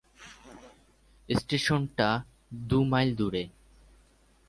স্টেশনটা দু মাইল দূরে।